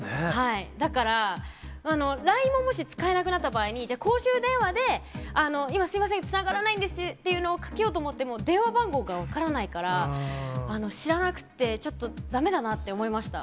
だから、ＬＩＮＥももし、使えなくなった場合に、じゃあ、公衆電話で、今すみません、つながらないんですっていうのをかけようと思っても、電話番号が分からないから、知らなくって、ちょっとだめだなって思いました。